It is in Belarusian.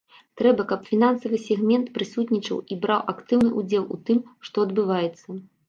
Трэба, каб фінансавы сегмент прысутнічаў і браў актыўны ўдзел у тым, што адбываецца.